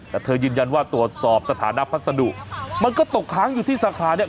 แต่เธอยืนยันว่าตรวจสอบสถานะพัสดุมันก็ตกค้างอยู่ที่สาขาเนี่ย